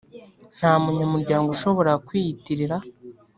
nta munyamuryango ushobora kwiyitirira